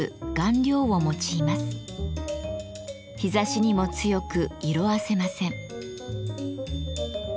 日ざしにも強く色あせません。